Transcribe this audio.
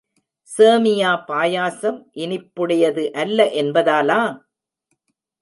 சேமியா பாயசம் இனிப்புடையது அல்ல என்பதாலா?